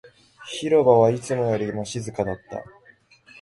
広場はいつもよりも静かだった